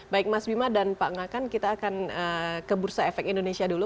baik mas bima dan pak ngakan kita akan ke bursa efek indonesia dulu